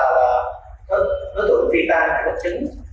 đối tượng phi tan cái bậc chứng